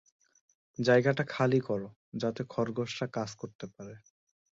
জায়গাটা খালি করো যাতে খরগোশরা কাজ করতে পারে।